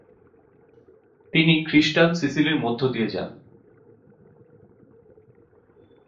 তিনি খ্রিষ্টান সিসিলির মধ্য দিয়ে যান।